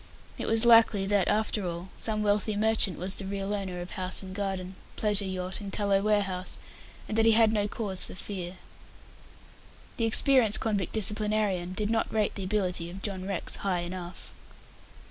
It was likely that, after all, some wealthy merchant was the real owner of the house and garden, pleasure yacht, and tallow warehouse, and that he had no cause for fear. The experienced convict disciplinarian did not rate the ability of John Rex high enough.